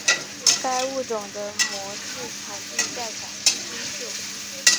该物种的模式产地在广西金秀。